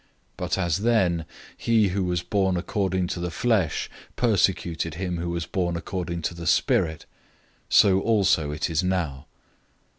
004:029 But as then, he who was born according to the flesh persecuted him who was born according to the Spirit, so also it is now.